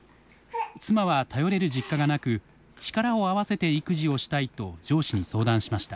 妻は頼れる実家がなく力を合わせて育児をしたいと上司に相談しました。